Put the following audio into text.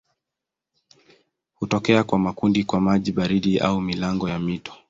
Hutokea kwa makundi kwa maji baridi au milango ya mito.